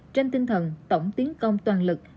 trên tinh thần tổng tiến công toàn lực